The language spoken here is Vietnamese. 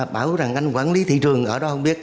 bảo rằng anh quản lý thị trường ở đó không biết